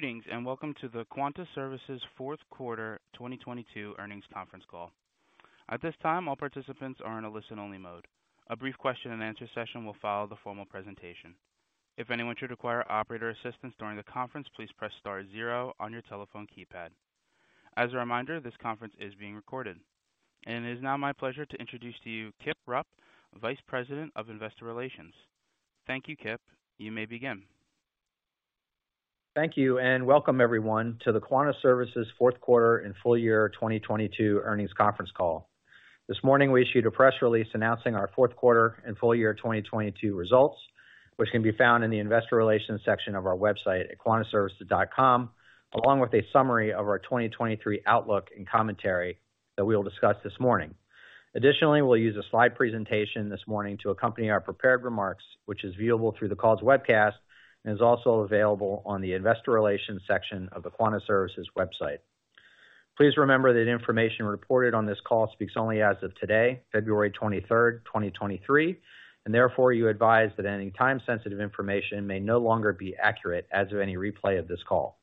Greetings, welcome to the Quanta Services fourth quarter 2022 earnings conference call. At this time, all participants are in a listen-only mode. A brief question-and-answer session will follow the formal presentation. If anyone should require operator assistance during the conference, please press star zero on your telephone keypad. As a reminder, this conference is being recorded. It is now my pleasure to introduce to you Kip Rupp, Vice President, Investor Relations. Thank you, Kip. You may begin. Thank you. Welcome everyone to the Quanta Services fourth quarter and full year 2022 earnings conference call. This morning, we issued a press release announcing our fourth quarter and full year 2022 results, which can be found in the investor relations section of our website at quantaservices.com, along with a summary of our 2023 outlook and commentary that we will discuss this morning. Additionally, we'll use a slide presentation this morning to accompany our prepared remarks, which is viewable through the call's webcast and is also available on the investor relations section of the Quanta Services website. Please remember that information reported on this call speaks only as of today, February 23rd, 2023, and therefore you advise that any time-sensitive information may no longer be accurate as of any replay of this call.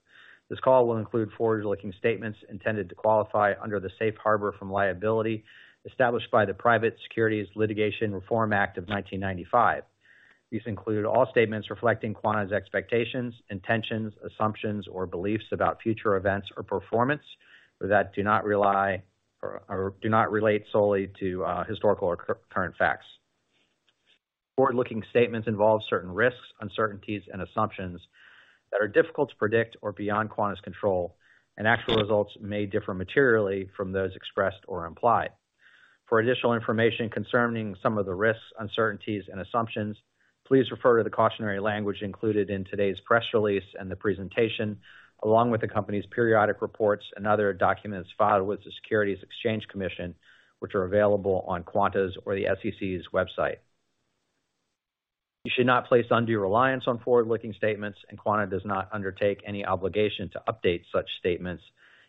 This call will include forward-looking statements intended to qualify under the safe harbor from liability established by the Private Securities Litigation Reform Act of 1995. These include all statements reflecting Quanta's expectations, intentions, assumptions, or beliefs about future events or performance that do not rely or do not relate solely to historical or current facts. Forward-looking statements involve certain risks, uncertainties, and assumptions that are difficult to predict or beyond Quanta's control. Actual results may differ materially from those expressed or implied. For additional information concerning some of the risks, uncertainties, and assumptions, please refer to the cautionary language included in today's press release and the presentation, along with the company's periodic reports and other documents filed with the Securities and Exchange Commission, which are available on Quanta's or the SEC's website. You should not place undue reliance on forward-looking statements, and Quanta does not undertake any obligation to update such statements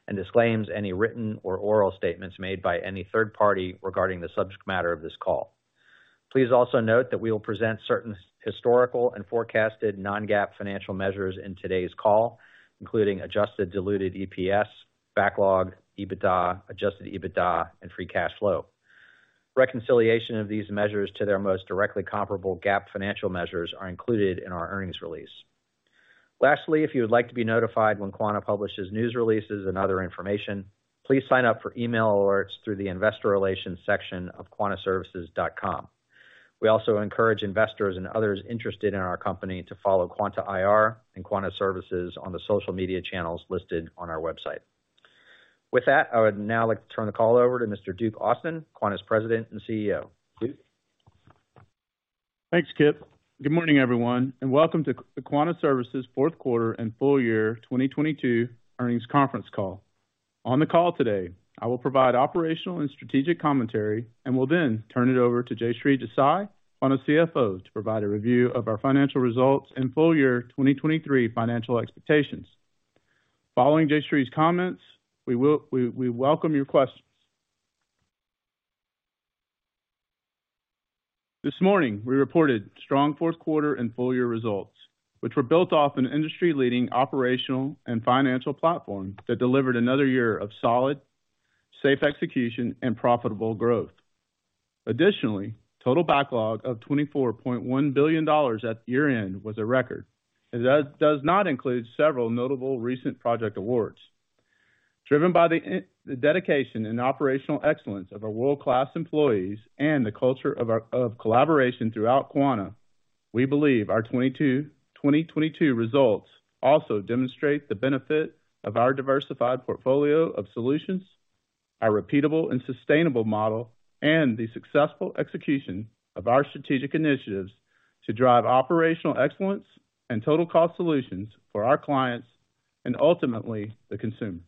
and disclaims any written or oral statements made by any third party regarding the subject matter of this call. Please also note that we will present certain historical and forecasted non-GAAP financial measures in today's call, including adjusted diluted EPS, backlog, EBITDA, adjusted EBITDA, and free cash flow. Reconciliation of these measures to their most directly comparable GAAP financial measures are included in our earnings release. Lastly, if you would like to be notified when Quanta publishes news releases and other information, please sign up for email alerts through the investor relations section of quantaservices.com. We also encourage investors and others interested in our company to follow Quanta IR and Quanta Services on the social media channels listed on our website. With that, I would now like to turn the call over to Mr. Duke Austin, Quanta's President and CEO. Duke? Thanks, Kip. Good morning, everyone, welcome to Quanta Services fourth quarter and full year 2022 earnings conference call. On the call today, I will provide operational and strategic commentary and will then turn it over to Jayshree Desai, Quanta CFO, to provide a review of our financial results and full year 2023 financial expectations. Following Jayshree's comments, we welcome your questions. This morning, we reported strong fourth quarter and full year results, which were built off an industry-leading operational and financial platform that delivered another year of solid, safe execution and profitable growth. Additionally, total backlog of $24.1 billion at year-end was a record, that does not include several notable recent project awards. Driven by the dedication and operational excellence of our world-class employees and the culture of collaboration throughout Quanta, we believe our 2022 results also demonstrate the benefit of our diversified portfolio of solutions, our repeatable and sustainable model, and the successful execution of our strategic initiatives to drive operational excellence and total cost solutions for our clients and ultimately the consumer.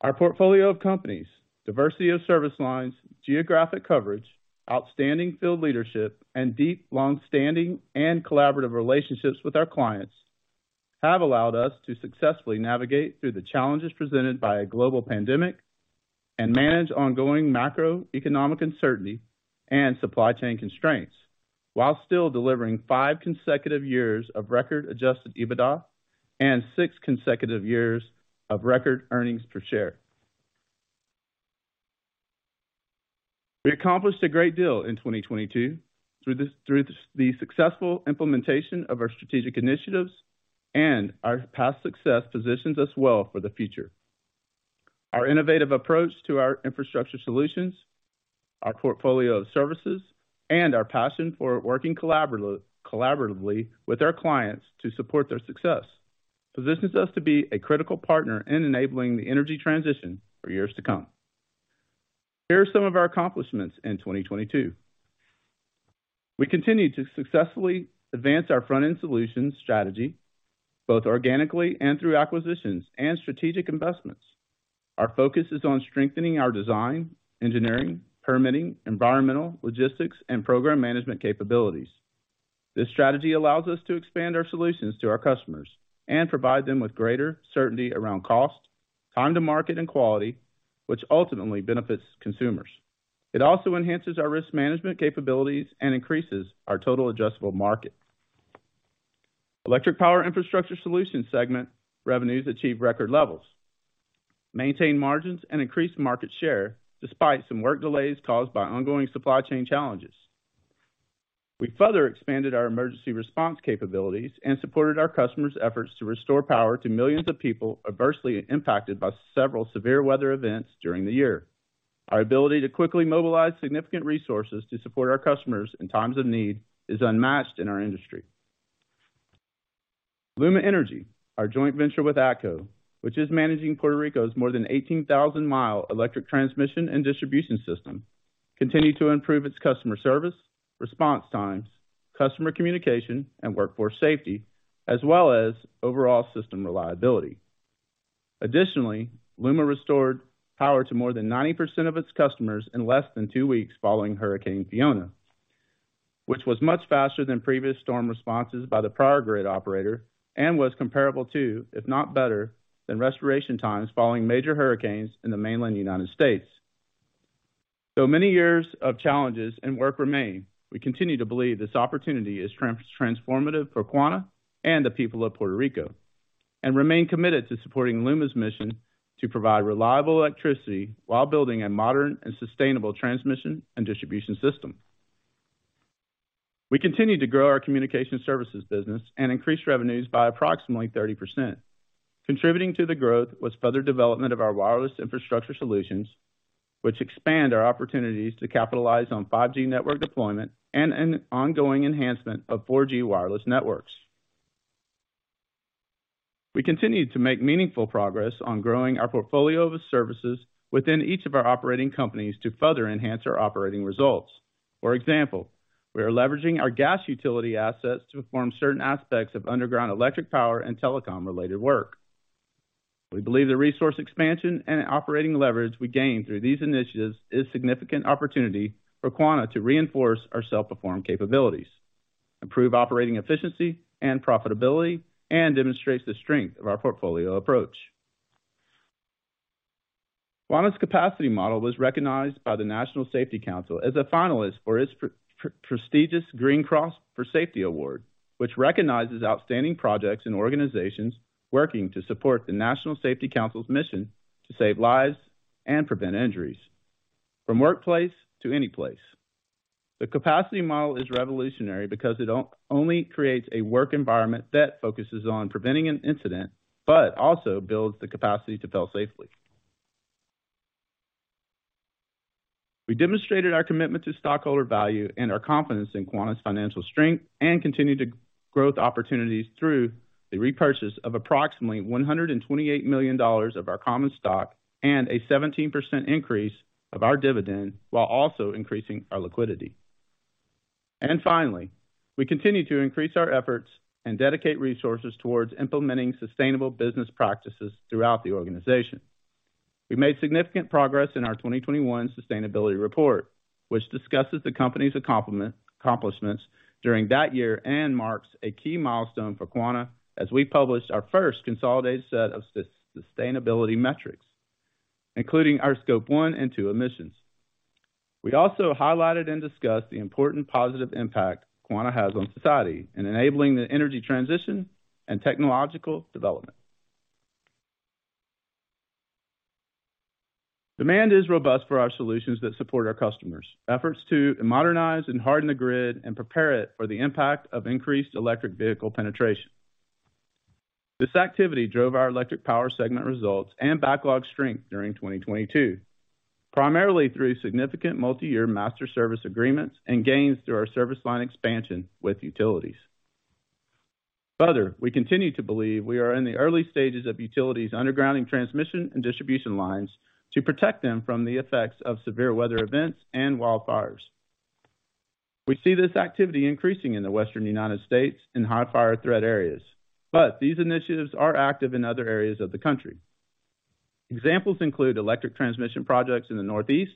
Our portfolio of companies, diversity of service lines, geographic coverage, outstanding field leadership, and deep, long-standing, and collaborative relationships with our clients have allowed us to successfully navigate through the challenges presented by a global pandemic and manage ongoing macroeconomic uncertainty and supply chain constraints while still delivering 5 consecutive years of record adjusted EBITDA and 6 consecutive years of record earnings per share. We accomplished a great deal in 2022 through the successful implementation of our strategic initiatives and our past success positions us well for the future. Our innovative approach to our infrastructure solutions, our portfolio of services, and our passion for working collaboratively with our clients to support their success positions us to be a critical partner in enabling the energy transition for years to come. Here are some of our accomplishments in 2022. We continued to successfully advance our front-end solutions strategy, both organically and through acquisitions and strategic investments. Our focus is on strengthening our design, engineering, permitting, environmental, logistics, and program management capabilities. This strategy allows us to expand our solutions to our customers and provide them with greater certainty around cost, time to market, and quality, which ultimately benefits consumers. It also enhances our risk management capabilities and increases our total adjustable market. Electric Power Infrastructure Solutions segment revenues achieve record levels, maintain margins, and increase market share despite some work delays caused by ongoing supply chain challenges. We further expanded our emergency response capabilities and supported our customers' efforts to restore power to millions of people adversely impacted by several severe weather events during the year. Our ability to quickly mobilize significant resources to support our customers in times of need is unmatched in our industry. LUMA Energy, our joint venture with ATCO, which is managing Puerto Rico's more than 18,000 mile electric transmission and distribution system, continued to improve its customer service, response times, customer communication, and workforce safety, as well as overall system reliability. Additionally, LUMA restored power to more than 90% of its customers in less than two weeks following Hurricane Fiona, which was much faster than previous storm responses by the prior grid operator and was comparable to, if not better, than restoration times following major hurricanes in the mainland United States. Though many years of challenges and work remain, we continue to believe this opportunity is transformative for Quanta and the people of Puerto Rico, and remain committed to supporting LUMA's mission to provide reliable electricity while building a modern and sustainable transmission and distribution system. We continued to grow our communication services business and increased revenues by approximately 30%. Contributing to the growth was further development of our wireless infrastructure solutions, which expand our opportunities to capitalize on 5G network deployment and an ongoing enhancement of 4G wireless networks. We continued to make meaningful progress on growing our portfolio of services within each of our operating companies to further enhance our operating results. For example, we are leveraging our gas utility assets to perform certain aspects of underground electric power and telecom-related work. We believe the resource expansion and operating leverage we gain through these initiatives is significant opportunity for Quanta to reinforce our self-perform capabilities, improve operating efficiency and profitability, and demonstrates the strength of our portfolio approach. Quanta's capacity model was recognized by the National Safety Council as a finalist for its prestigious Green Cross for Safety Award, which recognizes outstanding projects and organizations working to support the National Safety Council's mission to save lives and prevent injuries from workplace to any place. The Capacity Model is revolutionary because it only creates a work environment that focuses on preventing an incident, but also builds the capacity to fail safely. We demonstrated our commitment to stockholder value and our confidence in Quanta's financial strength and continued to growth opportunities through the repurchase of approximately $128 million of our common stock and a 17% increase of our dividend, while also increasing our liquidity. Finally, we continue to increase our efforts and dedicate resources towards implementing sustainable business practices throughout the organization. We made significant progress in our 2021 sustainability report, which discusses the company's accomplishments during that year and marks a key milestone for Quanta as we published our first consolidated set of sustainability metrics, including our Scope 1 and 2 emissions. We also highlighted and discussed the important positive impact Quanta has on society in enabling the energy transition and technological development. Demand is robust for our solutions that support our customers' efforts to modernize and harden the grid and prepare it for the impact of increased electric vehicle penetration. This activity drove our electric power segment results and backlog strength during 2022, primarily through significant multi-year master service agreements and gains through our service line expansion with utilities. Further, we continue to believe we are in the early stages of utilities undergrounding transmission and distribution lines to protect them from the effects of severe weather events and wildfires. We see this activity increasing in the Western U.S. in high fire threat areas. These initiatives are active in other areas of the country. Examples include electric transmission projects in the Northeast,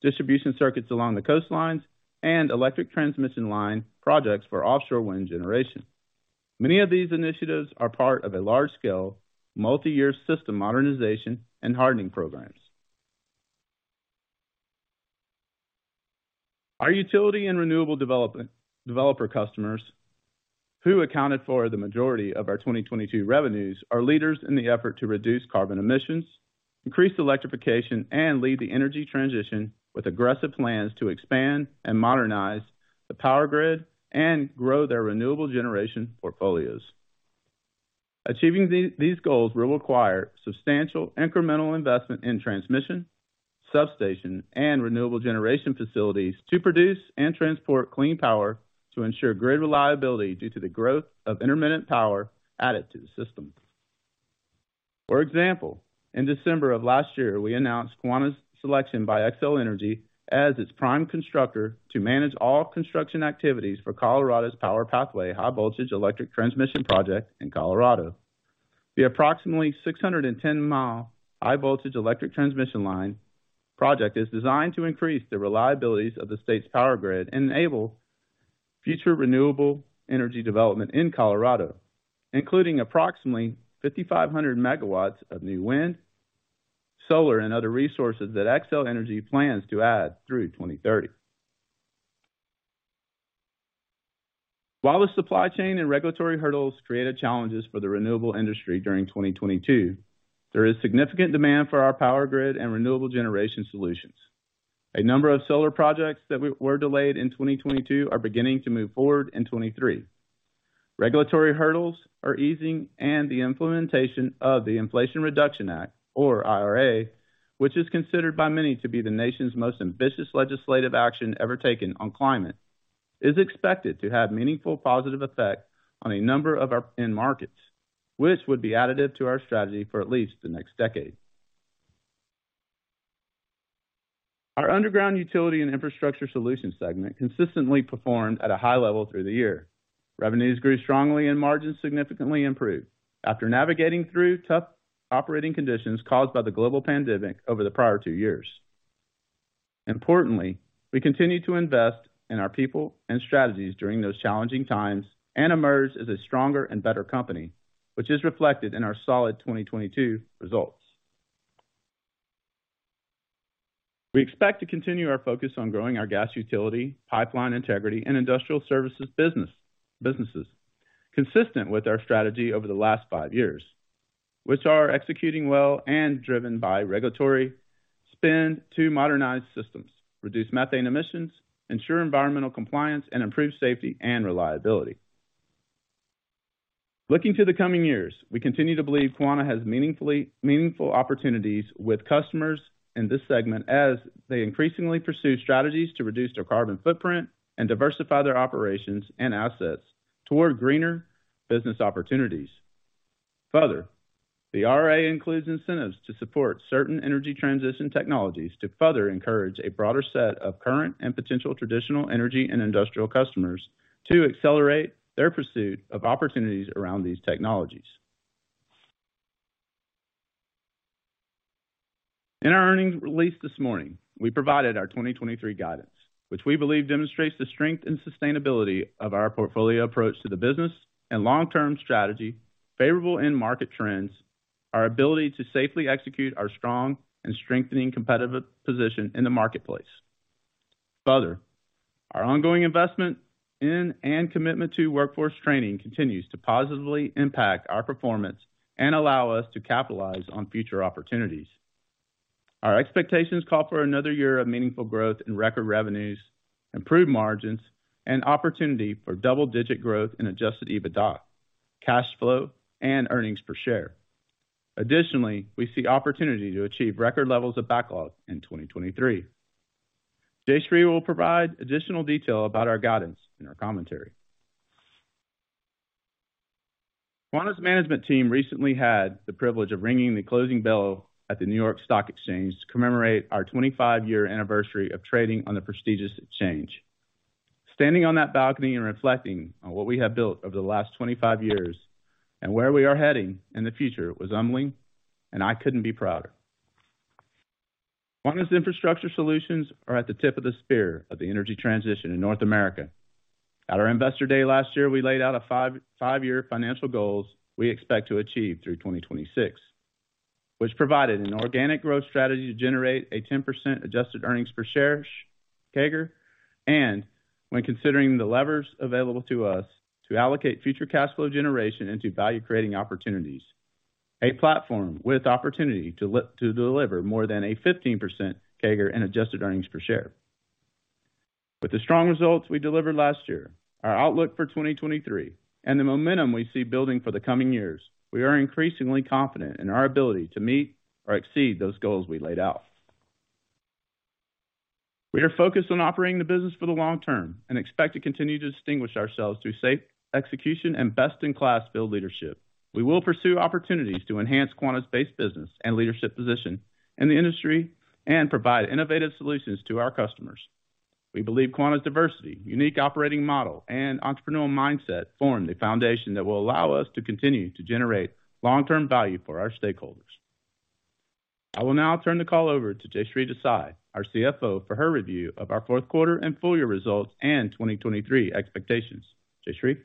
distribution circuits along the coastlines, and electric transmission line projects for offshore wind generation. Many of these initiatives are part of a large-scale, multi-year system modernization and hardening programs. Our utility and renewable developer customers, who accounted for the majority of our 2022 revenues, are leaders in the effort to reduce carbon emissions, increase electrification, and lead the energy transition with aggressive plans to expand and modernize the power grid and grow their renewable generation portfolios. Achieving these goals will require substantial incremental investment in transmission, substation, and renewable generation facilities to produce and transport clean power to ensure grid reliability due to the growth of intermittent power added to the system. For example, in December of last year, we announced Quanta's selection by Xcel Energy as its prime constructor to manage all construction activities for Colorado's Power Pathway high-voltage electric transmission project in Colorado. The approximately 610-mile high-voltage electric transmission line project is designed to increase the reliabilities of the state's power grid and enable future renewable energy development in Colorado, including approximately 5,500 megawatts of new wind, solar, and other resources that Xcel Energy plans to add through 2030. The supply chain and regulatory hurdles created challenges for the renewable industry during 2022, there is significant demand for our power grid and renewable generation solutions. A number of solar projects that were delayed in 2022 are beginning to move forward in 2023. Regulatory hurdles are easing. The implementation of the Inflation Reduction Act, or IRA, which is considered by many to be the nation's most ambitious legislative action ever taken on climate, is expected to have meaningful positive effect on a number of our end markets, which would be additive to our strategy for at least the next decade. Our Underground Utility and Infrastructure Solutions segment consistently performed at a high level through the year. Revenues grew strongly and margins significantly improved after navigating through tough operating conditions caused by the global pandemic over the prior two years. Importantly, we continued to invest in our people and strategies during those challenging times and emerged as a stronger and better company, which is reflected in our solid 2022 results. We expect to continue our focus on growing our gas utility, pipeline integrity, and industrial services businesses consistent with our strategy over the last five years, which are executing well and driven by regulatory spend to modernize systems, reduce methane emissions, ensure environmental compliance, and improve safety and reliability. Looking to the coming years, we continue to believe Quanta has meaningful opportunities with customers in this segment as they increasingly pursue strategies to reduce their carbon footprint and diversify their operations and assets toward greener business opportunities. The IRA includes incentives to support certain energy transition technologies to further encourage a broader set of current and potential traditional energy and industrial customers to accelerate their pursuit of opportunities around these technologies. In our earnings release this morning, we provided our 2023 guidance, which we believe demonstrates the strength and sustainability of our portfolio approach to the business and long-term strategy, favourable end market trends, our ability to safely execute our strong and strengthening competitive position in the marketplace. Further, our ongoing investment in and commitment to workforce training continues to positively impact our performance and allow us to capitalize on future opportunities. Our expectations call for another year of meaningful growth in record revenues, improved margins, and opportunity for double-digit growth in adjusted EBITDA, cash flow, and earnings per share. Additionally, we see opportunity to achieve record levels of backlog in 2023. Jayshree will provide additional detail about our guidance in her commentary. Quanta's management team recently had the privilege of ringing the closing bell at the New York Stock Exchange to commemorate our 25-year anniversary of trading on the prestigious exchange. Standing on that balcony and reflecting on what we have built over the last 25 years and where we are heading in the future was humbling, and I couldn't be prouder. Quanta's infrastructure solutions are at the tip of the spear of the energy transition in North America. At our Investor Day last year, we laid out 5-year financial goals we expect to achieve through 2026, which provided an organic growth strategy to generate a 10% adjusted earnings per share CAGR, and when considering the levers available to us to allocate future cash flow generation into value creating opportunities, a platform with opportunity to deliver more than a 15% CAGR and adjusted earnings per share. With the strong results we delivered last year, our outlook for 2023, and the momentum we see building for the coming years, we are increasingly confident in our ability to meet or exceed those goals we laid out. We are focused on operating the business for the long term and expect to continue to distinguish ourselves through safe execution and best-in-class build leadership. We will pursue opportunities to enhance Quanta's base business and leadership position in the industry and provide innovative solutions to our customers. We believe Quanta's diversity, unique operating model, and entrepreneurial mindset form the foundation that will allow us to continue to generate long-term value for our stakeholders. I will now turn the call over to Jayshree Desai, our CFO, for her review of our fourth quarter and full year results and 2023 expectations. Jayshree?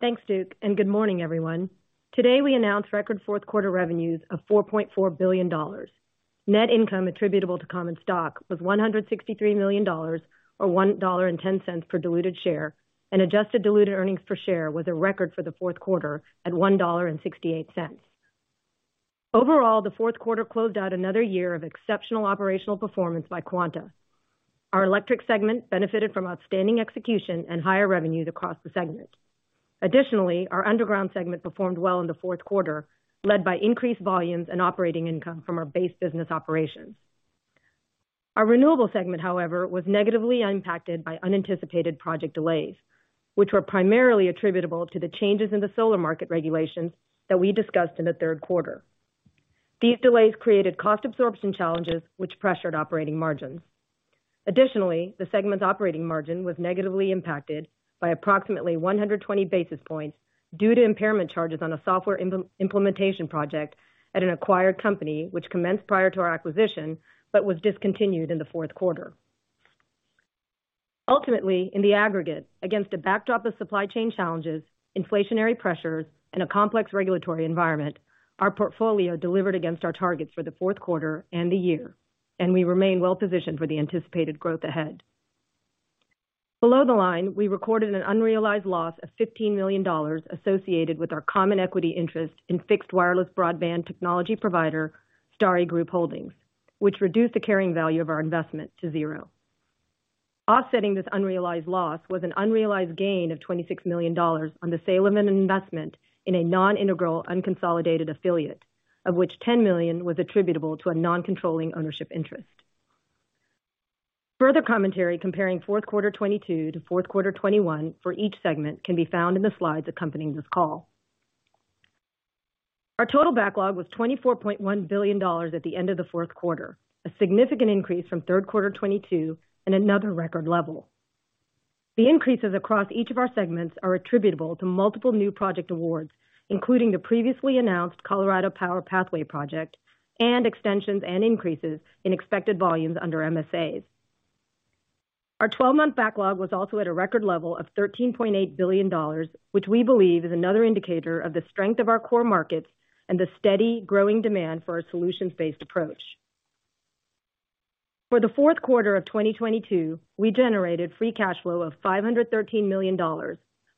Thanks, Duke. Good morning, everyone. Today, we announced record fourth quarter revenues of $4.4 billion. Net income attributable to common stock was $163 million or $1.10 per diluted share, and Adjusted Diluted Earnings Per Share was a record for the fourth quarter at $1.68. Overall, the fourth quarter closed out another year of exceptional operational performance by Quanta. Our Electric segment benefited from outstanding execution and higher revenues across the segment. Additionally, our Underground segment performed well in the fourth quarter, led by increased volumes and operating income from our base business operations. Our Renewable segment, however, was negatively impacted by unanticipated project delays, which were primarily attributable to the changes in the solar market regulations that we discussed in the third quarter. These delays created cost absorption challenges which pressured operating margins. Additionally, the segment's operating margin was negatively impacted by approximately 120 basis points due to impairment charges on a software implementation project at an acquired company which commenced prior to our acquisition but was discontinued in the fourth quarter. Ultimately, in the aggregate, against a backdrop of supply chain challenges, inflationary pressures, and a complex regulatory environment, our portfolio delivered against our targets for the fourth quarter and the year, and we remain well positioned for the anticipated growth ahead. Below the line, we recorded an unrealized loss of $15 million associated with our common equity interest in fixed wireless broadband technology provider, Starry Group Holdings, which reduced the carrying value of our investment to zero. Offsetting this unrealized loss was an unrealized gain of $26 million on the sale of an investment in a non-integral unconsolidated affiliate, of which $10 million was attributable to a non-controlling ownership interest. Further commentary comparing fourth quarter 2022 to fourth quarter 2021 for each segment can be found in the slides accompanying this call. Our total backlog was $24.1 billion at the end of the fourth quarter, a significant increase from third quarter 2022 and another record level. The increases across each of our segments are attributable to multiple new project awards, including the previously announced Colorado's Power Pathway project and extensions and increases in expected volumes under MSAs. Our twelve-month backlog was also at a record level of $13.8 billion, which we believe is another indicator of the strength of our core markets and the steady growing demand for our solutions-based approach. For the fourth quarter of 2022, we generated free cash flow of $513 million,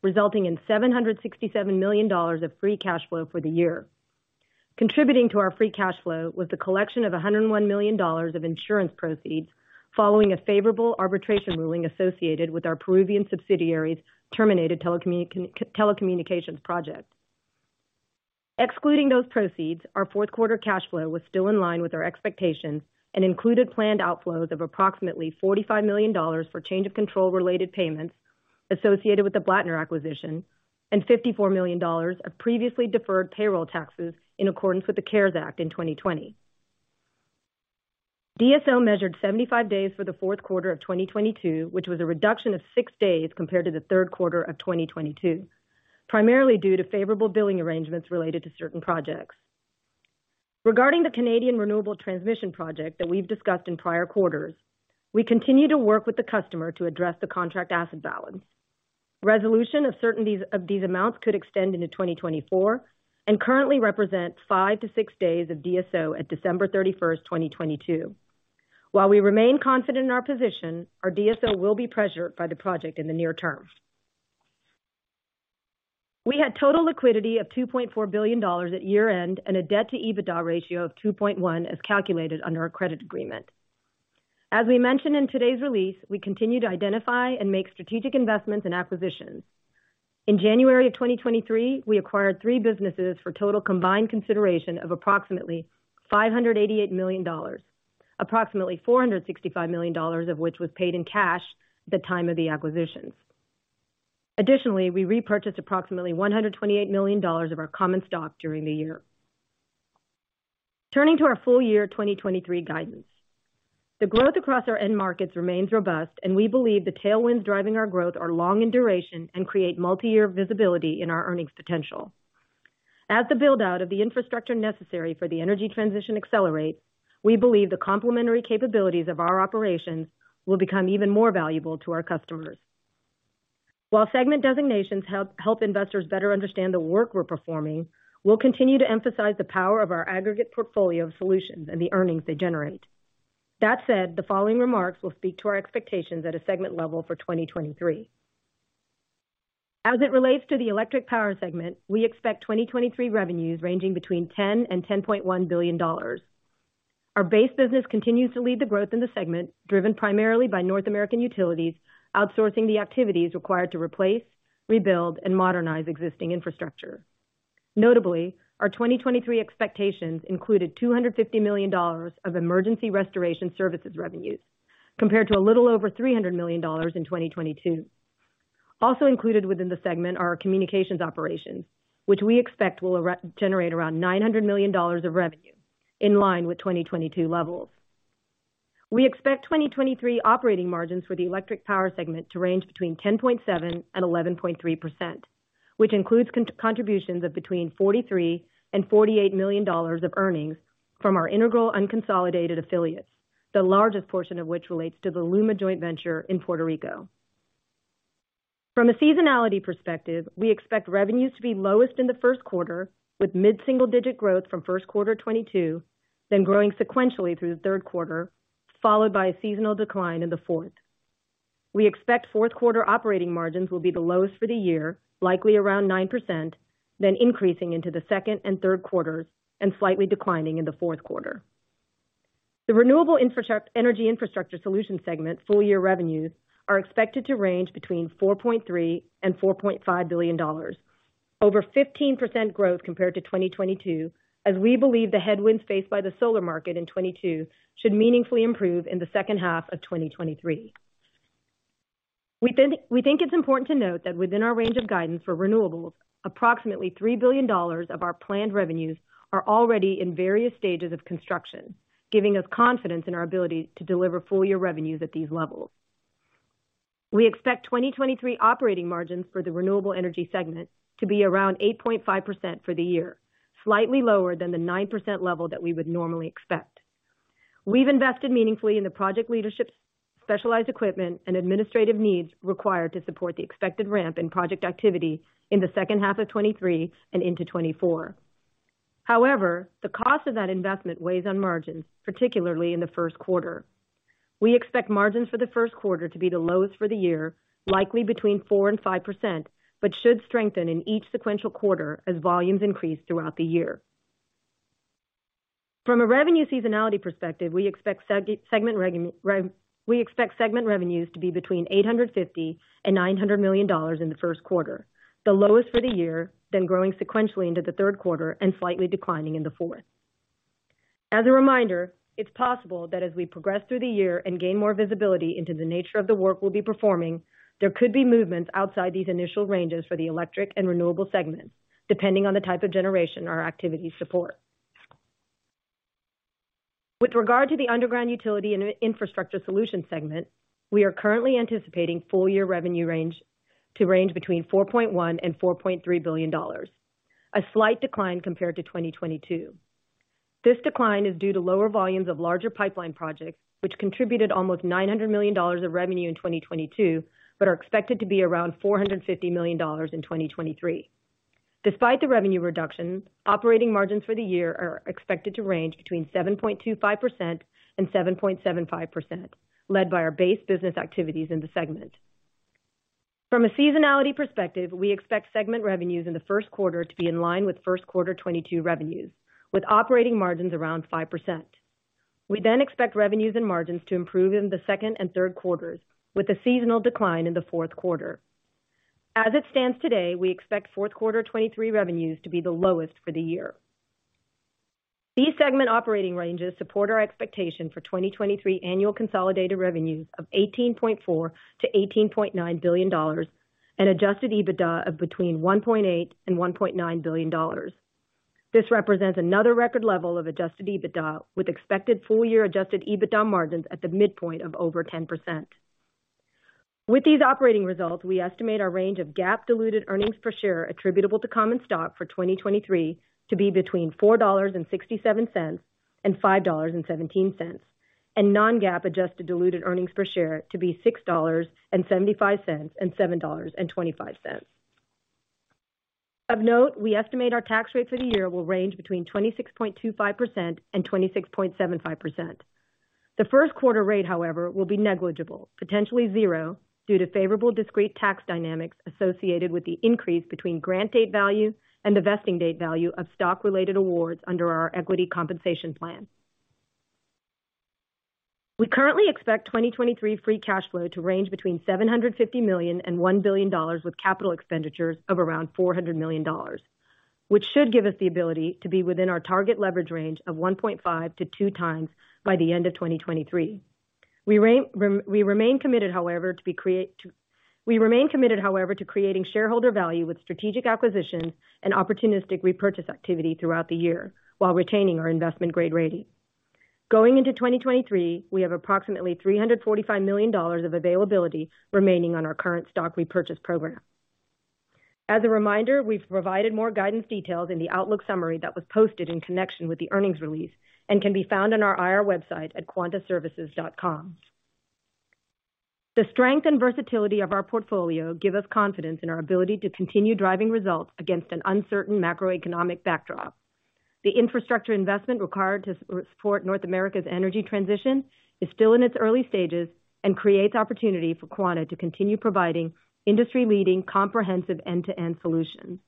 resulting in $767 million of free cash flow for the year. Contributing to our free cash flow was the collection of $101 million of insurance proceeds following a favorable arbitration ruling associated with our Peruvian subsidiary's terminated telecommunications project. Excluding those proceeds, our fourth quarter cash flow was still in line with our expectations and included planned outflows of approximately $45 million for change of control-related payments associated with the Blattner acquisition, and $54 million of previously deferred payroll taxes in accordance with the CARES Act in 2020. DSO measured 75 days for the fourth quarter of 2022, which was a reduction of 6 days compared to the third quarter of 2022, primarily due to favorable billing arrangements related to certain projects. Regarding the Canadian Renewable Transmission project that we've discussed in prior quarters, we continue to work with the customer to address the contract asset balance. Resolution of certainties of these amounts could extend into 2024 and currently represent 5-6 days of DSO at December 31st, 2022. While we remain confident in our position, our DSO will be pressured by the project in the near term. We had total liquidity of $2.4 billion at year-end and a debt to EBITDA ratio of 2.1 as calculated under our credit agreement. As we mentioned in today's release, we continue to identify and make strategic investments and acquisitions. In January of 2023, we acquired three businesses for total combined consideration of approximately $588 million, approximately $465 million of which was paid in cash at the time of the acquisitions. Additionally, we repurchased approximately $128 million of our common stock during the year. Turning to our full year 2023 guidance. The growth across our end markets remains robust, and we believe the tailwinds driving our growth are long in duration and create multi-year visibility in our earnings potential. As the build out of the infrastructure necessary for the energy transition accelerates, we believe the complementary capabilities of our operations will become even more valuable to our customers. While segment designations help investors better understand the work we're performing, we'll continue to emphasize the power of our aggregate portfolio of solutions and the earnings they generate. That said, the following remarks will speak to our expectations at a segment level for 2023. As it relates to the electric power segment, we expect 2023 revenues ranging between $10 billion and $10.1 billion. Our base business continues to lead the growth in the segment, driven primarily by North American utilities, outsourcing the activities required to replace, rebuild, and modernize existing infrastructure. Notably, our 2023 expectations included $250 million of emergency restoration services revenues, compared to a little over $300 million in 2022. Also included within the segment are our communications operations, which we expect will generate around $900 million of revenue in line with 2022 levels. We expect 2023 operating margins for the electric power segment to range between 10.7% and 11.3%, which includes contributions of between $43 million and $48 million of earnings from our integral unconsolidated affiliates, the largest portion of which relates to the LUMA joint venture in Puerto Rico. From a seasonality perspective, we expect revenues to be lowest in the first quarter, with mid-single digit growth from first quarter 2022, then growing sequentially through the third quarter, followed by a seasonal decline in the fourth. We expect fourth quarter operating margins will be the lowest for the year, likely around 9%, then increasing into the second and third quarters and slightly declining in the fourth quarter. The Renewable Energy Infrastructure Solutions segment full year revenues are expected to range between $4.3 billion-$4.5 billion, over 15% growth compared to 2022, as we believe the headwinds faced by the solar market in 2022 should meaningfully improve in the second half of 2023. We think it's important to note that within our range of guidance for renewables, approximately $3 billion of our planned revenues are already in various stages of construction, giving us confidence in our ability to deliver full year revenues at these levels. We expect 2023 operating margins for the Renewable Energy segment to be around 8.5% for the year, slightly lower than the 9% level that we would normally expect. We've invested meaningfully in the project leadership, specialized equipment, and administrative needs required to support the expected ramp in project activity in the second half of 2023 and into 2024. However, the cost of that investment weighs on margins, particularly in the first quarter. We expect margins for the first quarter to be the lowest for the year, likely between 4% and 5%. Should strengthen in each sequential quarter as volumes increase throughout the year. From a revenue seasonality perspective, we expect segment revenues to be between $850 million and $900 million in the first quarter, the lowest for the year, then growing sequentially into the third quarter and slightly declining in the fourth. As a reminder, it's possible that as we progress through the year and gain more visibility into the nature of the work we'll be performing, there could be movements outside these initial ranges for the electric and renewable segments, depending on the type of generation our activities support. With regard to the Underground Utility and Infrastructure Solutions segment, we are currently anticipating full-year revenue range to range between $4.1 billion and $4.3 billion, a slight decline compared to 2022. This decline is due to lower volumes of larger pipeline projects, which contributed almost $900 million of revenue in 2022, but are expected to be around $450 million in 2023. Despite the revenue reduction, operating margins for the year are expected to range between 7.25% and 7.75%, led by our base business activities in the segment. From a seasonality perspective, we expect segment revenues in the first quarter to be in line with first quarter 2022 revenues, with operating margins around 5%. We expect revenues and margins to improve in the second and third quarters, with a seasonal decline in the fourth quarter. As it stands today, we expect fourth quarter 2023 revenues to be the lowest for the year. These segment operating ranges support our expectation for 2023 annual consolidated revenues of $18.4 billion-$18.9 billion and adjusted EBITDA of between $1.8 billion and $1.9 billion. This represents another record level of adjusted EBITDA, with expected full-year adjusted EBITDA margins at the midpoint of over 10%. With these operating results, we estimate our range of GAAP diluted earnings per share attributable to common stock for 2023 to be between $4.67 and $5.17, and non-GAAP adjusted diluted EPS to be $6.75 and $7.25. Of note, we estimate our tax rate for the year will range between 26.25% and 26.75%. The first quarter rate, however, will be negligible, potentially zero, due to favorable discrete tax dynamics associated with the increase between grant date value and the vesting date value of stock-related awards under our equity compensation plan. We currently expect 2023 free cash flow to range between $750 million and $1 billion with capital expenditures of around $400 million, which should give us the ability to be within our target leverage range of 1.5 to 2 times by the end of 2023. We remain committed, however, to creating shareholder value with strategic acquisitions and opportunistic repurchase activity throughout the year while retaining our investment-grade rating. Going into 2023, we have approximately $345 million of availability remaining on our current stock repurchase program. As a reminder, we've provided more guidance details in the outlook summary that was posted in connection with the earnings release and can be found on our IR website at quantaservices.com. The strength and versatility of our portfolio give us confidence in our ability to continue driving results against an uncertain macroeconomic backdrop. The infrastructure investment required to support North America's energy transition is still in its early stages and creates opportunity for Quanta to continue providing industry-leading comprehensive end-to-end solutions.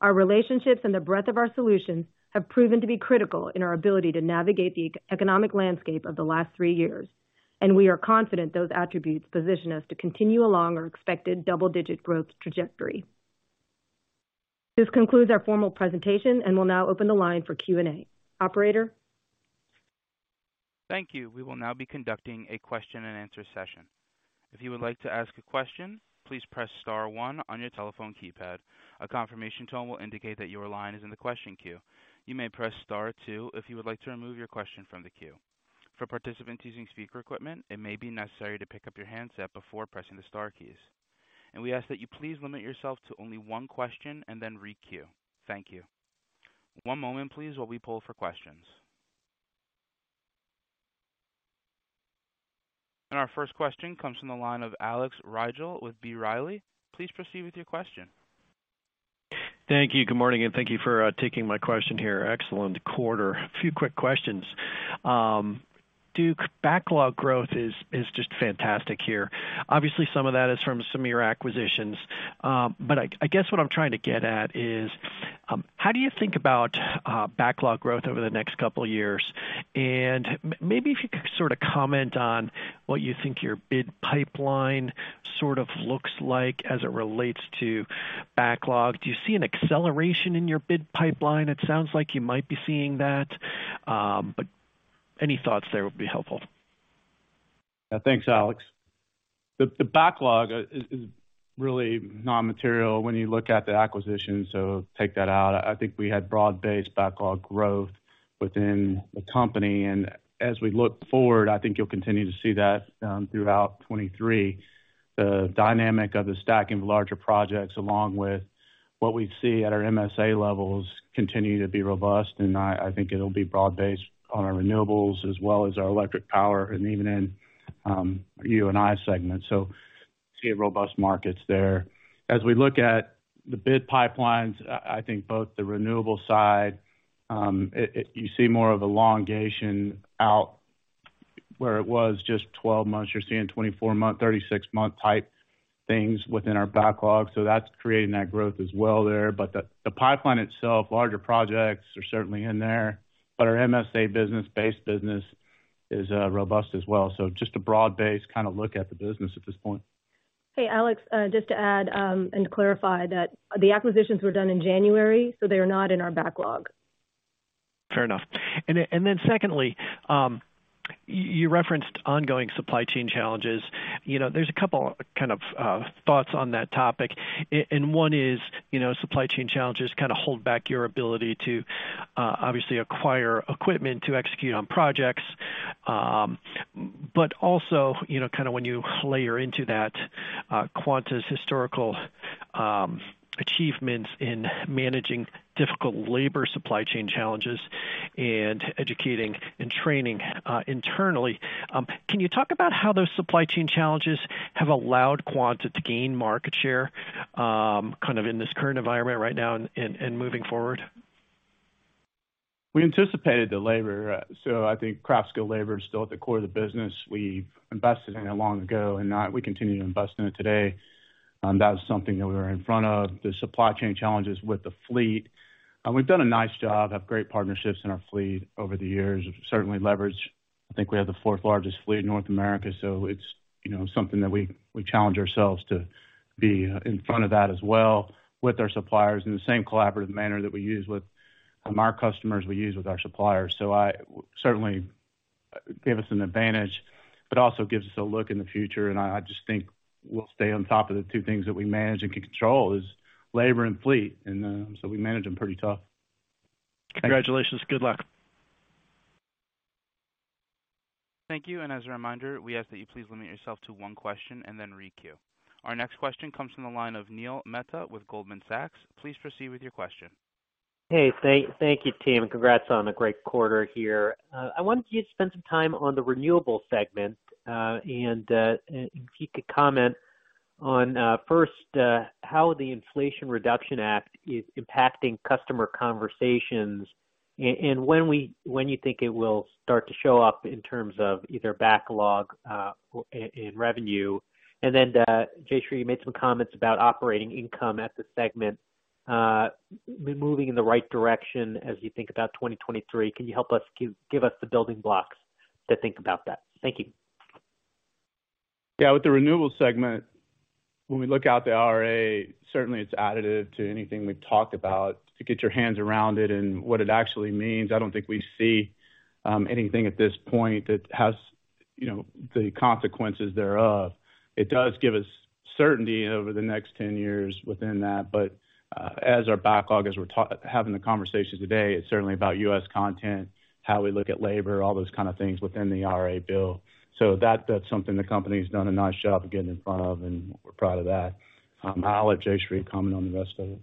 Our relationships and the breadth of our solutions have proven to be critical in our ability to navigate the economic landscape of the last three years, and we are confident those attributes position us to continue along our expected double-digit growth trajectory. This concludes our formal presentation, and we'll now open the line for Q&A. Operator? Thank you. We will now be conducting a question-and-answer session. If you would like to ask a question, please press star one on your telephone keypad. A confirmation tone will indicate that your line is in the question queue. You may press star two if you would like to remove your question from the queue. For participants using speaker equipment, it may be necessary to pick up your handset before pressing the star keys. We ask that you please limit yourself to only one question and then re-queue. Thank you. One moment, please, while we poll for questions. Our first question comes from the line of Alex Rygiel with B. Riley. Please proceed with your question. Thank you. Good morning, and thank you for taking my question here. Excellent quarter. A few quick questions. Duke backlog growth is just fantastic here. Obviously, some of that is from some of your acquisitions. I guess what I'm trying to get at is how do you think about backlog growth over the next couple of years? Maybe if you could sort of comment on what you think your bid pipeline sort of looks like as it relates to backlog. Do you see an acceleration in your bid pipeline? It sounds like you might be seeing that. Any thoughts there would be helpful. Thanks, Alex. The backlog is really non-material when you look at the acquisition, so take that out. I think we had broad-based backlog growth within the company. As we look forward, I think you'll continue to see that throughout 23. The dynamic of the stacking of larger projects, along with what we see at our MSA levels, continue to be robust. I think it'll be broad-based on our renewables as well as our electric power and even in our UNI segment. See robust markets there. As we look at the bid pipelines, I think both the renewable side, you see more of elongation out where it was just 12 months. You're seeing 24 month, 36 month type things within our backlog. That's creating that growth as well there. The pipeline itself, larger projects are certainly in there. Our MSA business, base business is robust as well. Just a broad-based kinda look at the business at this point. Hey, Alex, just to add, and to clarify that the acquisitions were done in January, so they are not in our backlog. Fair enough. Secondly, you referenced ongoing supply chain challenges. You know, there's a couple kind of thoughts on that topic. One is, you know, supply chain challenges kinda hold back your ability to obviously acquire equipment to execute on projects. Also, you know, kinda when you layer into that, Quanta's historical achievements in managing difficult labor supply chain challenges and educating and training internally, can you talk about how those supply chain challenges have allowed Quanta to gain market share kind of in this current environment right now and moving forward? We anticipated the labor, so I think craft skill labor is still at the core of the business. We invested in it long ago, and now we continue to invest in it today. That was something that we were in front of, the supply chain challenges with the fleet. We've done a nice job, have great partnerships in our fleet over the years. We've certainly leveraged. I think we have the 4th largest fleet in North America, so it's, you know, something that we challenge ourselves to be in front of that as well with our suppliers. In the same collaborative manner that we use with, our customers, we use with our suppliers. I certainly gave us an advantage, but also gives us a look in the future, I just think we'll stay on top of the two things that we manage and can control is labor and fleet. We manage them pretty tough. Congratulations. Good luck. Thank you. As a reminder, we ask that you please limit yourself to one question and then requeue. Our next question comes from the line of Neil Mehta with Goldman Sachs. Please proceed with your question. Hey, thank you, team, and congrats on a great quarter here. I wanted you to spend some time on the renewable segment, and if you could comment on first, how the Inflation Reduction Act is impacting customer conversations, and when you think it will start to show up in terms of either backlog, in revenue. Then, Jayshree, you made some comments about operating income at the segment moving in the right direction as you think about 2023. Can you help us, give us the building blocks to think about that? Thank you. With the renewable segment, when we look out the IRA, certainly it's additive to anything we've talked about to get your hands around it and what it actually means. I don't think we see anything at this point that has, you know, the consequences thereof. It does give us certainty over the next 10 years within that. As our backlog, as we're having the conversation today, it's certainly about U.S. content, how we look at labor, all those kind of things within the IRA bill. That's something the company's done a nice job of getting in front of, and we're proud of that. I'll let Jayshree comment on the rest of it.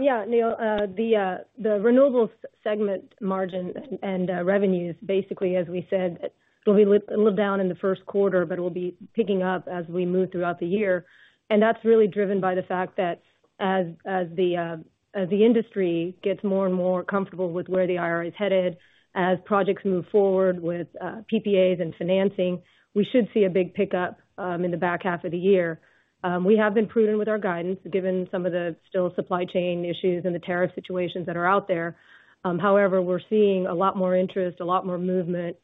Yeah, Neil. The renewables segment margin and revenues, basically, as we said, it will be little down in the first quarter, but it will be picking up as we move throughout the year. That's really driven by the fact that as the industry gets more and more comfortable with where the IRA is headed, as projects move forward with PPAs and financing, we should see a big pickup in the back half of the year. We have been prudent with our guidance, given some of the still supply chain issues and the tariff situations that are out there. However, we're seeing a lot more interest, a lot more movement,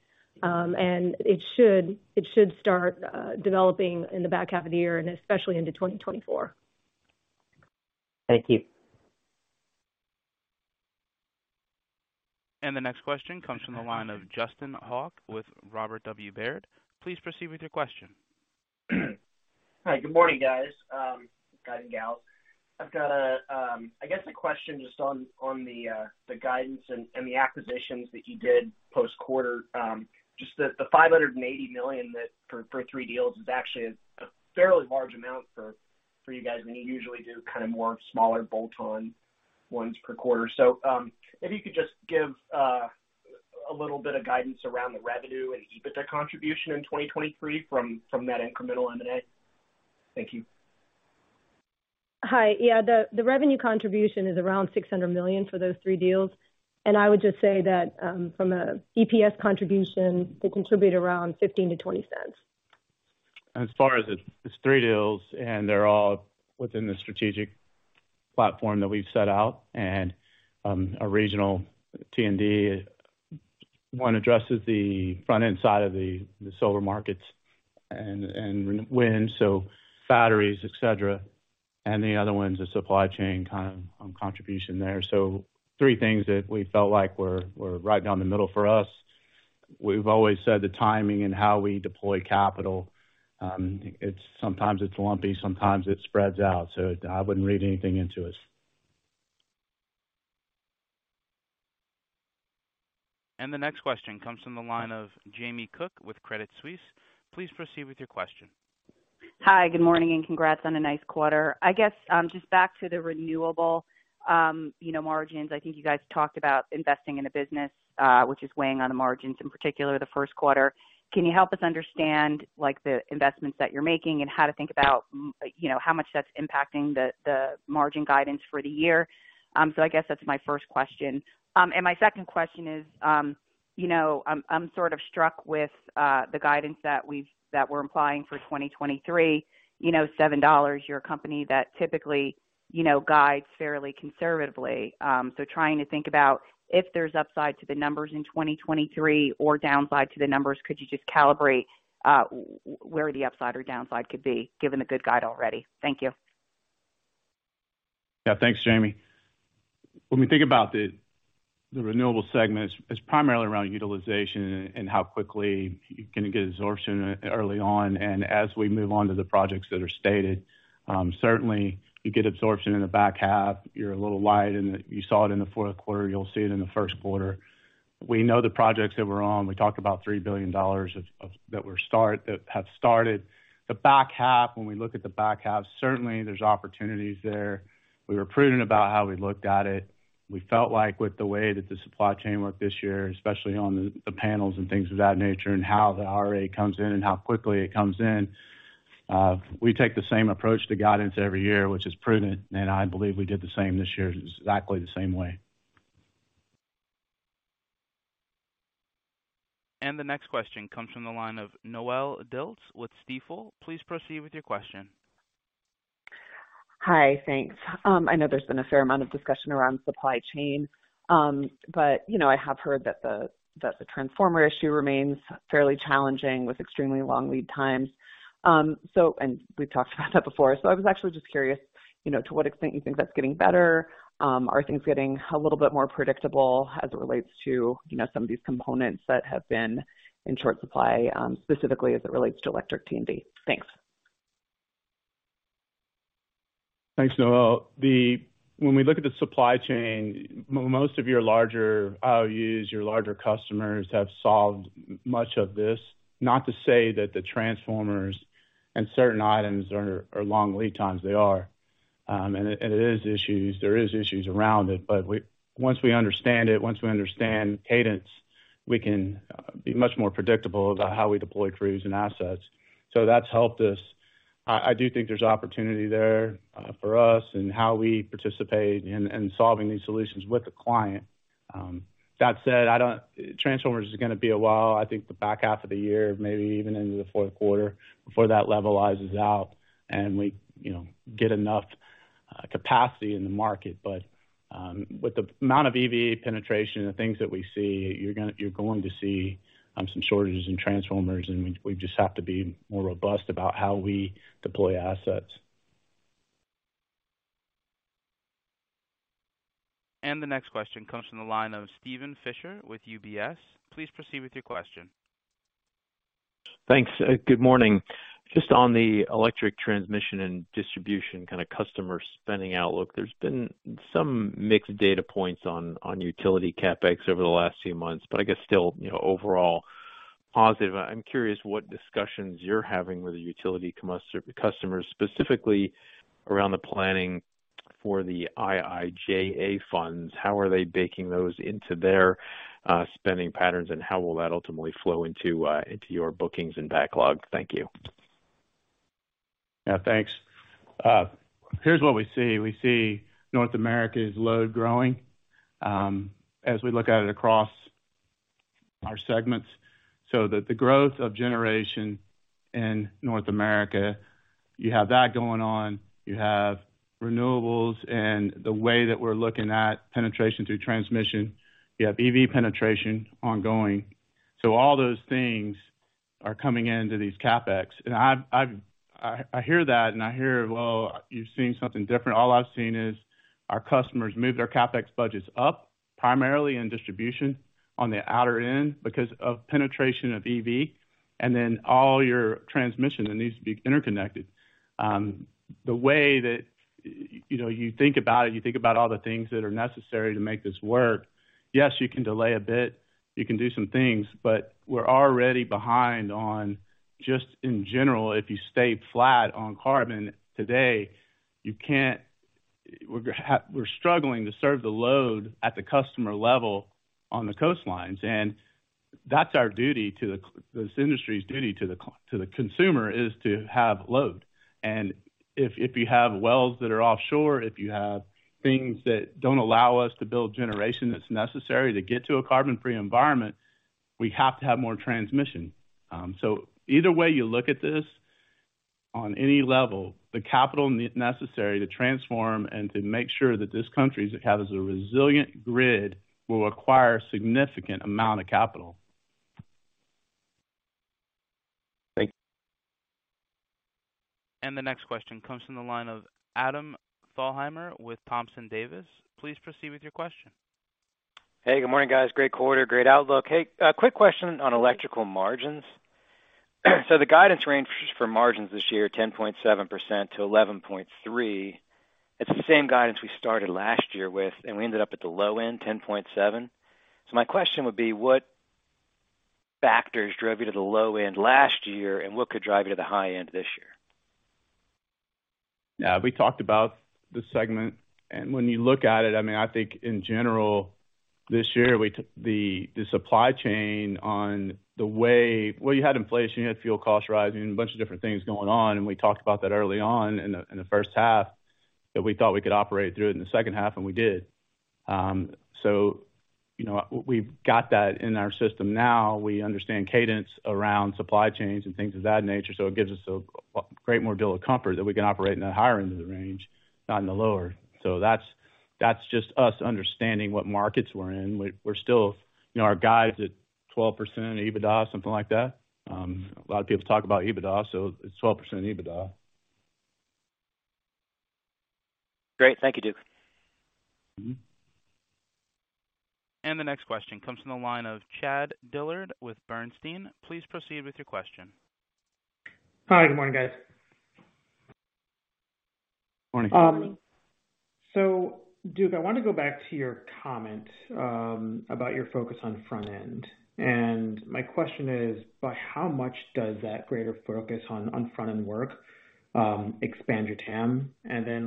and it should start developing in the back half of the year and especially into 2024. Thank you. The next question comes from the line of Justin Hauke with Robert W. Baird. Please proceed with your question. Hi. Good morning, guys and gals. I've got a, I guess a question just on the guidance and the acquisitions that you did post-quarter. Just the $580 million that for 3 deals is actually a fairly large amount for you guys when you usually do kind of more smaller bolt-on ones per quarter. If you could just give a little bit of guidance around the revenue and EBITDA contribution in 2023 from that incremental M&A. Thank you. Hi. Yeah. The revenue contribution is around $600 million for those three deals, and I would just say that, from a EPS contribution, they contribute around $0.15-$0.20. As far as it's three deals, they're all within the strategic platform that we've set out, a regional T&D. One addresses the front-end side of the solar markets and wind, so batteries, et cetera. The other one's a supply chain kind of contribution there. Three things that we felt like were right down the middle for us. We've always said the timing and how we deploy capital, it's sometimes it's lumpy, sometimes it spreads out. I wouldn't read anything into it. The next question comes from the line of Jamie Cook with Credit Suisse. Please proceed with your question. Hi, good morning, and congrats on a nice quarter. I guess, just back to the renewable, you know, margins. I think you guys talked about investing in a business, which is weighing on the margins, in particular the first quarter. Can you help us understand, like, the investments that you're making and how to think about, you know, how much that's impacting the margin guidance for the year? I guess that's my first question. My second question is, you know, I'm sort of struck with, the guidance that we're implying for 2023, you know, $7, you're a company that typically, you know, guides fairly conservatively. Trying to think about if there's upside to the numbers in 2023 or downside to the numbers, could you just calibrate where the upside or downside could be, given the good guide already? Thank you. Yeah. Thanks, Jamie. When we think about the renewable segment, it's primarily around utilization and how quickly you're gonna get absorption early on. As we move on to the projects that are stated, certainly you get absorption in the back half. You're a little light, and you saw it in the fourth quarter, you'll see it in the first quarter. We know the projects that we're on. We talked about $3 billion that have started. The back half, when we look at the back half, certainly there's opportunities there. We were prudent about how we looked at it. We felt like with the way that the supply chain worked this year, especially on the panels and things of that nature, and how the IRA comes in and how quickly it comes in, we take the same approach to guidance every year, which is prudent. I believe we did the same this year, exactly the same way. The next question comes from the line of Noelle Dilts with Stifel. Please proceed with your question. Hi. Thanks. I know there's been a fair amount of discussion around supply chain, but, you know, I have heard that the, that the transformer issue remains fairly challenging with extremely long lead times. We've talked about that before. I was actually just curious, you know, to what extent you think that's getting better. Are things getting a little bit more predictable as it relates to, you know, some of these components that have been in short supply, specifically as it relates to electric T&D? Thanks. Thanks, Noelle. When we look at the supply chain, most of your larger IOUs, your larger customers have solved much of this. Not to say that the transformers and certain items are long lead times. They are. There is issues around it, but once we understand it, once we understand cadence, we can be much more predictable about how we deploy crews and assets. That's helped us. I do think there's opportunity there for us and how we participate in solving these solutions with the client. That said, Transformers is going to be a while. I think the back half of the year, maybe even into the fourth quarter before that levelizes out and we, you know, get enough capacity in the market. With the amount of EV penetration and things that we see, you're going to see some shortages in transformers, and we just have to be more robust about how we deploy assets. The next question comes from the line of Steven Fisher with UBS. Please proceed with your question. Thanks. Good morning. Just on the electric transmission and distribution kind of customer spending outlook, there's been some mixed data points on utility CapEx over the last few months, I guess still, you know, overall positive. I'm curious what discussions you're having with the utility customers, specifically around the planning for the IIJA funds. How are they baking those into their spending patterns, and how will that ultimately flow into your bookings and backlog? Thank you. Yeah, thanks. Here's what we see. We see North America is load growing, as we look at it across our segments, that the growth of generation in North America, you have that going on. You have renewables and the way that we're looking at penetration through transmission. You have EV penetration ongoing. All those things are coming into these CapEx. I hear that and I hear, well, you're seeing something different. All I've seen is our customers move their CapEx budgets up, primarily in distribution on the outer end because of penetration of EV and then all your transmission that needs to be interconnected. The way that, you know, you think about it, you think about all the things that are necessary to make this work. Yes, you can delay a bit, you can do some things, but we're already behind on just in general, if you stay flat on carbon today, We're struggling to serve the load at the customer level on the coastlines, and that's our duty to this industry's duty to the consumer, is to have load. If you have wells that are offshore, if you have things that don't allow us to build generation that's necessary to get to a carbon-free environment, we have to have more transmission. Either way you look at this on any level, the capital necessary to transform and to make sure that this country has a resilient grid will require a significant amount of capital. Thank you. The next question comes from the line of Adam Thalhimer with Thompson, Davis & Co. Please proceed with your question. Hey, good morning, guys. Great quarter, great outlook. Hey, a quick question on electrical margins. The guidance range for margins this year, 10.7%-11.3%. It's the same guidance we started last year with. We ended up at the low end, 10.7%. My question would be what factors drove you to the low end last year. What could drive you to the high end this year? Yeah, we talked about the segment. When you look at it, I mean, I think in general this year, we took the supply chain. You had inflation, you had fuel costs rising, a bunch of different things going on. We talked about that early on in the first half, that we thought we could operate through it in the second half, and we did. You know, we've got that in our system now. We understand cadence around supply chains and things of that nature. It gives us a great more deal of comfort that we can operate in the higher end of the range, not in the lower. That's just us understanding what markets we're in. We're still, you know, our guide is at 12% EBITDA, something like that. A lot of people talk about EBITDA, so it's 12% EBITDA. Great. Thank you, Duke. Mm-hmm. The next question comes from the line of Chad Dillard with Bernstein. Please proceed with your question. Hi, good morning, guys. Morning. Duke, I want to go back to your comment about your focus on front end. My question is, by how much does that greater focus on front end work expand your TAM?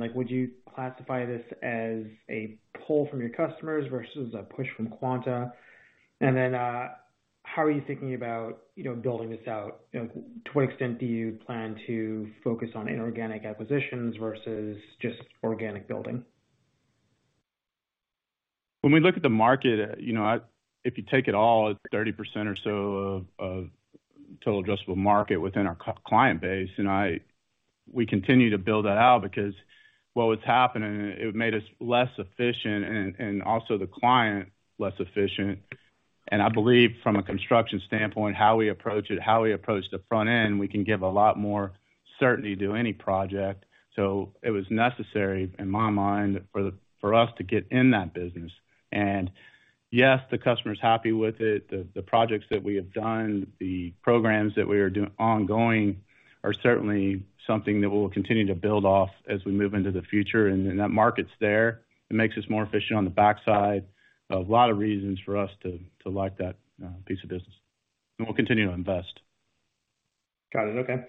Like, would you classify this as a pull from your customers versus a push from Quanta? How are you thinking about, you know, building this out? You know, to what extent do you plan to focus on inorganic acquisitions versus just organic building? When we look at the market, you know, if you take it all, it's 30% or so of total addressable market within our client base. We continue to build that out because what was happening, it made us less efficient and also the client less efficient. I believe from a construction standpoint, how we approach it, how we approach the front end, we can give a lot more certainty to any project. It was necessary, in my mind, for us to get in that business. Yes, the customer is happy with it. The projects that we have done, the programs that we are doing ongoing are certainly something that we'll continue to build off as we move into the future. That market's there. It makes us more efficient on the backside. A lot of reasons for us to like that, piece of business. We'll continue to invest. Got it. Okay.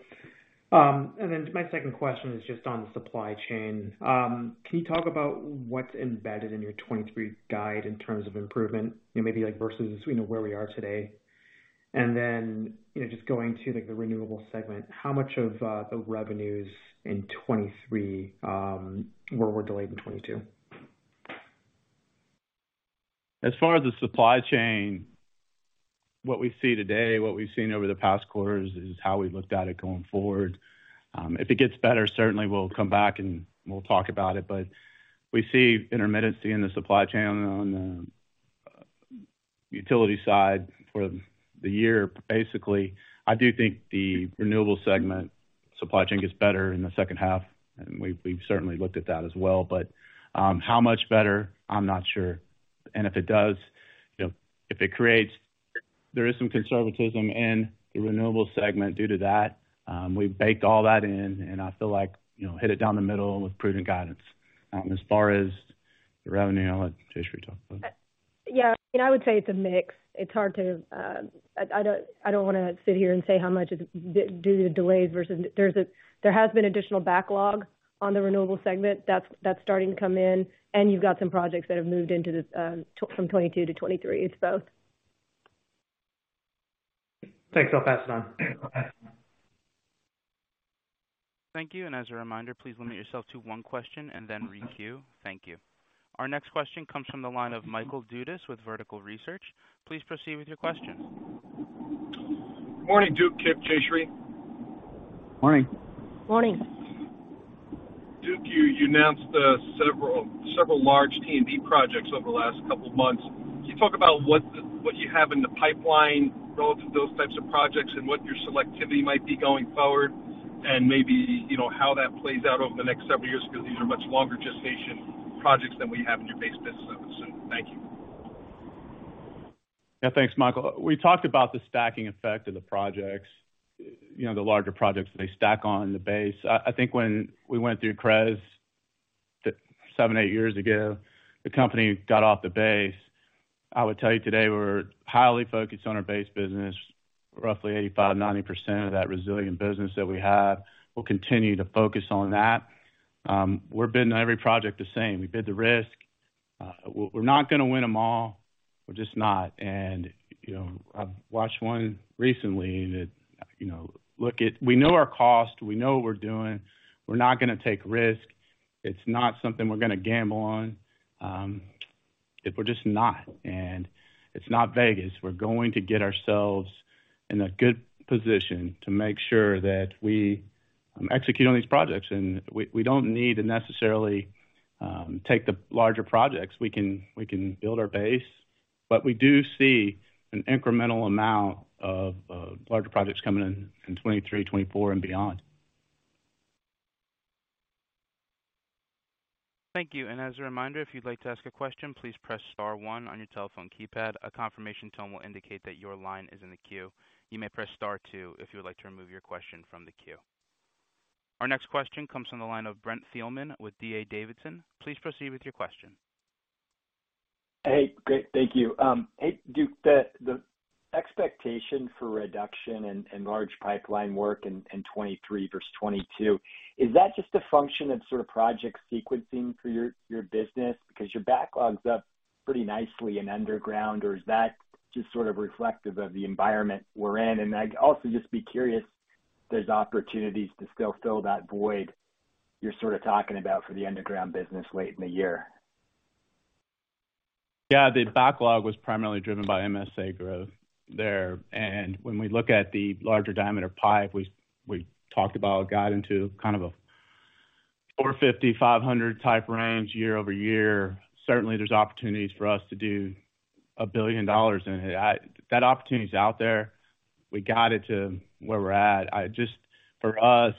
My second question is just on the supply chain. Can you talk about what's embedded in your 23 guide in terms of improvement? You know, maybe like versus, you know, where we are today. You know, just going to like the renewable segment, how much of, the revenues in 23, were more delayed than 22? As far as the supply chain, what we see today, what we've seen over the past quarters is how we looked at it going forward. If it gets better, certainly we'll come back and we'll talk about it. We see intermittency in the supply chain on the utility side for the year. Basically, I do think the renewable segment supply chain gets better in the second half, and we've certainly looked at that as well. How much better? I'm not sure. If it does, you know, there is some conservatism in the renewable segment due to that. We've baked all that in, and I feel like, you know, hit it down the middle with prudent guidance. As far as the revenue, I'll let Jayshree talk about it. Yeah. I mean, I would say it's a mix. It's hard to, I don't wanna sit here and say how much of it is due to delays versus. There has been additional backlog on the renewable segment that's starting to come in, and you've got some projects that have moved into the from 2022 to 2023. It's both. Thanks. I'll pass it on. Thank you. As a reminder, please limit yourself to one question and then re-queue. Thank you. Our next question comes from the line of Michael Dudas with Vertical Research. Please proceed with your question. Good morning, Duke, Kip, Jayshree. Morning. Morning. Duke, you announced several large T&D projects over the last couple of months. Can you talk about what you have in the pipeline relative to those types of projects and what your selectivity might be going forward and maybe, you know, how that plays out over the next several years because these are much longer gestation projects than we have in your base business? Thank you. Yeah. Thanks, Michael. We talked about the stacking effect of the projects, you know, the larger projects that they stack on the base. I think when we went through CREZ 7, 8 years ago, the company got off the base. I would tell you today we're highly focused on our base business. Roughly 85%, 90% of that resilient business that we have, we'll continue to focus on that. We're bidding every project the same. We bid the risk. We're not gonna win them all. We're just not. You know, I've watched one recently that, you know, look at... We know our cost, we know what we're doing. We're not gonna take risk. It's not something we're gonna gamble on. If we're just not, and it's not Vegas, we're going to get ourselves in a good position to make sure that we execute on these projects. We, we don't need to necessarily take the larger projects. We can, we can build our base. We do see an incremental amount of larger projects coming in 2023, 2024 and beyond. Thank you. As a reminder, if you'd like to ask a question, please press star 1 on your telephone keypad. A confirmation tone will indicate that your line is in the queue. You may press star 2 if you would like to remove your question from the queue. Our next question comes from the line of Brent Thielman with D.A. Davidson. Please proceed with your question. Hey, great. Thank you. Hey, Duke, the expectation for reduction in large pipeline work in 2023 versus 2022, is that just a function of sort of project sequencing for your business? Because your backlogs up pretty nicely in underground, or is that just sort of reflective of the environment we're in? I'd also just be curious if there's opportunities to still fill that void you're sort of talking about for the underground business late in the year. Yeah, the backlog was primarily driven by MSA growth there. When we look at the larger diameter pipe, we talked about guidance to kind of a $450-$500 type range year-over-year. Certainly, there's opportunities for us to do $1 billion in it. That opportunity is out there. We got it to where we're at. For us,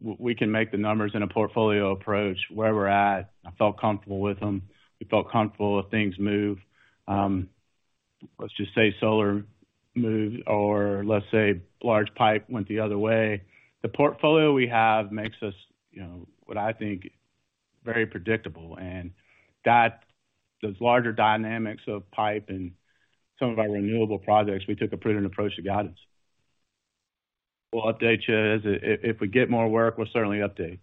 we can make the numbers in a portfolio approach where we're at. I felt comfortable with them. We felt comfortable if things move. Let's just say solar moved or let's say large pipe went the other way. The portfolio we have makes us, you know, what I think, very predictable. Those larger dynamics of pipe and some of our renewable projects, we took a prudent approach to guidance. We'll update you If we get more work, we'll certainly update.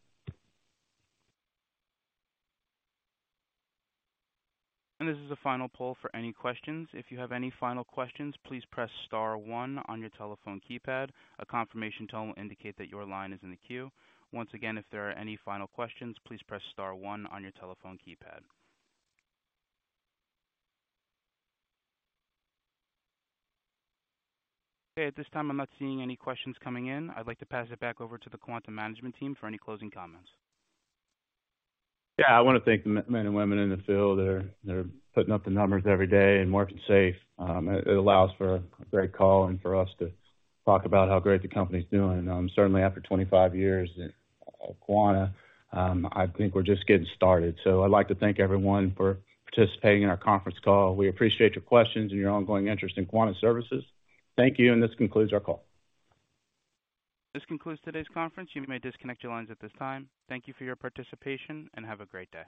This is the final poll for any questions. If you have any final questions, please press star one on your telephone keypad. A confirmation tone will indicate that your line is in the queue. Once again, if there are any final questions, please press star one on your telephone keypad. At this time, I'm not seeing any questions coming in. I'd like to pass it back over to the Quanta management team for any closing comments. I wanna thank the men and women in the field. They're putting up the numbers every day and working safe. It allows for a great call and for us to talk about how great the company is doing. Certainly after 25 years at Quanta, I think we're just getting started. I'd like to thank everyone for participating in our conference call. We appreciate your questions and your ongoing interest in Quanta Services. Thank you. This concludes our call. This concludes today's conference. You may disconnect your lines at this time. Thank you for your participation, and have a great day.